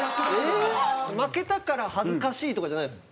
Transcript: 負けたから恥ずかしいとかじゃないです。